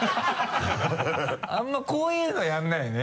あんまりこういうのやらないよね